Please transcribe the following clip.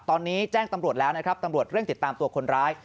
ตอนนี้แจ้งตำรวจแล้วนะครับตำรวจเร่งติดตามตัวคนร้าย